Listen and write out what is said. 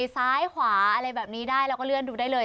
ซ้ายขวาอะไรแบบนี้ได้แล้วก็เลื่อนดูได้เลย